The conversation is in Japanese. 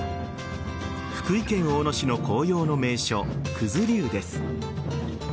福井県大野市の紅葉の名所九頭竜です。